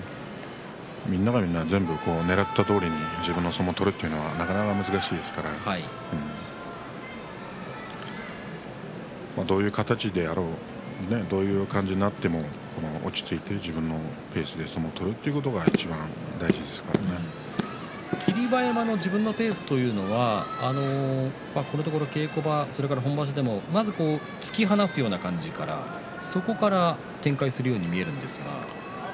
みんながみんなねらったとおりに相撲を取るというのはなかなか難しいですからどういう形であろうとどういう感じになっても落ち着いて自分のペースで相撲を取るということが霧馬山の自分のペースというのはこのところ稽古場、本場所でもまず突き放すような感じからそこから展開するように見えるんですが。